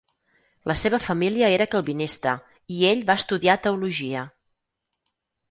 La seva família era calvinista i ell va estudiar teologia.